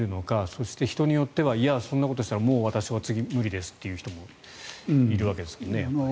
そして人によってはいや、そんなことしたら私は次もう無理ですって人もいるわけですよね。